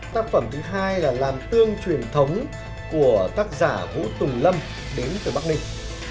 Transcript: tác phẩm thứ hai là làm tương truyền thống của tác giả vũ tùng lâm đến từ bắc ninh